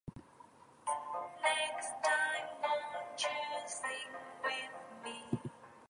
The floor is made from tongue and groove floorboards.